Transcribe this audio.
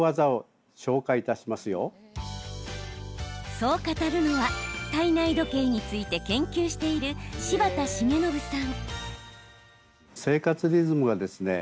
そう語るのは体内時計について研究している柴田重信さん。